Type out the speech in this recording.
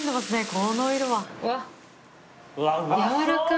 この色は。